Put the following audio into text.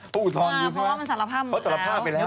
เพราะอุทธรณ์มันสารภาพหมดแล้ว